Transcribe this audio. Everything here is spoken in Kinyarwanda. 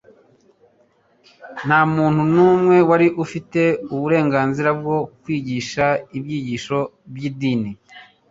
Nta muutu n'umwe wari ufite uburenganzira bwo kwigisha ibyigisho by'idini,